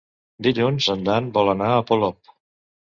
Dilluns en Dan vol anar a Polop.